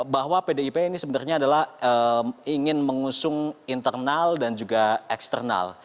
bahwa pdip ini sebenarnya adalah ingin mengusung internal dan juga eksternal